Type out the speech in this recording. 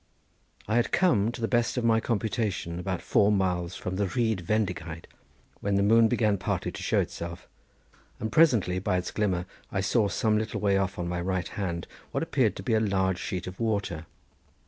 I had come, to the best of my computation, about four miles from the Rhyd Fendigaid when the moon began partly to show itself, and presently by its glimmer I saw some little way off on my right hand what appeared to be a large sheet of water.